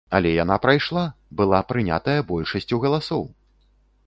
Але яна прайшла, была прынятая большасцю галасоў!